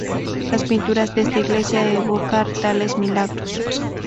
Las pinturas de esta iglesia evocar tales milagros.